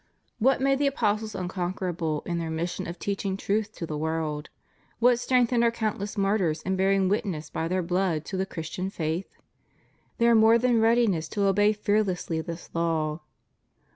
What made the apostles imconquerable in their mission of teaching truth to the world? What strength ened our countless martyrs in bearing witness by their blood to the Christian faith? Their more than readiness to obey fearlessly this law.